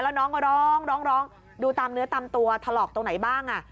แล้วน้องก็ร้องร้องดูตามเนื้อตามตัวถลอกตรงไหนบ้าง